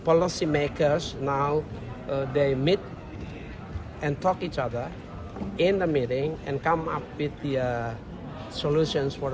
pemimpin kebijakan berjumpa dan berbicara dalam pertemuan dan mencari solusi untuk dunia